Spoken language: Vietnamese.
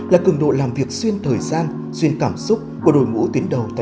là cường độ làm việc xuyên thời gian xuyên cảm xúc của đội ngũ tuyến đầu tại